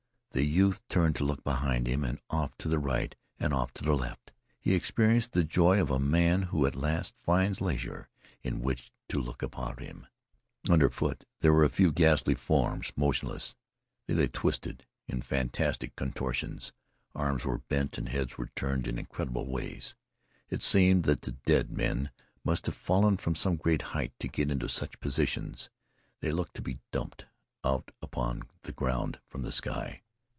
The youth turned to look behind him and off to the right and off to the left. He experienced the joy of a man who at last finds leisure in which to look about him. Under foot there were a few ghastly forms motionless. They lay twisted in fantastic contortions. Arms were bent and heads were turned in incredible ways. It seemed that the dead men must have fallen from some great height to get into such positions. They looked to be dumped out upon the ground from the sky.